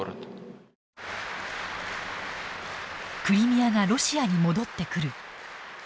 クリミアがロシアに戻ってくる。